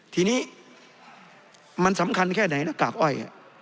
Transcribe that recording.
ทีนี้มันสำคัญแค่ไหนนะกากอ้อย